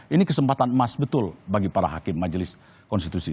ini kesempatan emas betul bagi para hakim majelis konstitusi